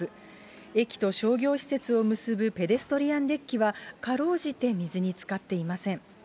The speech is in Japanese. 駅と商業施設を結ぶペデストリアンデッキは、かろうじて水につかっていません。